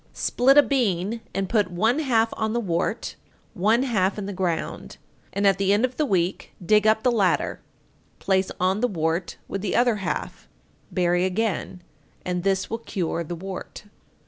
884. Split a bean and put one half on the wart, one half in the ground, and at the end of the week dig up the latter; place on the wart with the other half; bury again, and this will cure the wart.